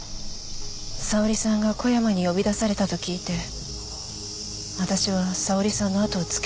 沙織さんが小山に呼び出されたと聞いて私は沙織さんのあとをつけていきました。